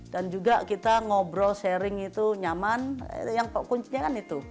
dan juga kita ngobrol sharing itu nyaman yang kuncinya kan itu